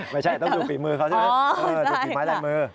ไม่ใช่ต้องจุดปิดมือเขาใช่ไหมจุดปิดไม้ด้านมือ